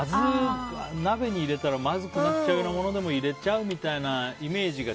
鍋に入れたらまずくなっちゃうようなものでも入れちゃうみたいなイメージが。